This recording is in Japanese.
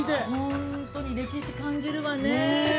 ◆本当に歴史感じるわねえ。